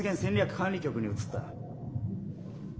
管理局に移った。